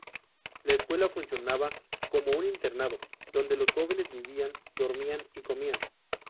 La escuela funcionaba como un internado, donde los jóvenes vivían, dormían y comían.